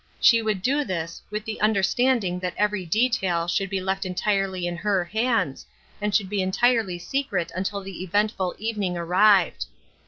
She would do this, with the understanding that every detail should be left entirely in her hands, and should be entirely secret until the eventful evening arrived.